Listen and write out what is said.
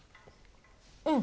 うん。